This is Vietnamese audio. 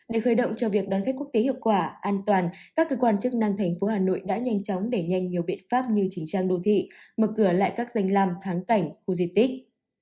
để khởi động cho việc đón khách quốc tế hiệu quả an toàn các cơ quan chức năng thành phố hà nội đã nhanh chóng đẩy nhanh nhiều biện pháp như chỉnh trang đô thị mở cửa lại các danh làm thắng cảnh khu di tích